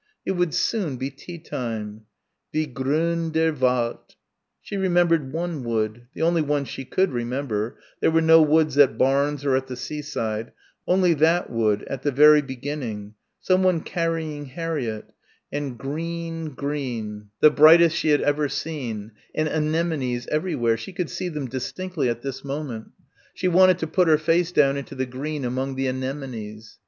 It would soon be tea time. "Wie grün der Wald." She remembered one wood the only one she could remember there were no woods at Barnes or at the seaside only that wood, at the very beginning, someone carrying Harriett and green green, the brightest she had ever seen, and anemones everywhere, she could see them distinctly at this moment she wanted to put her face down into the green among the anemones.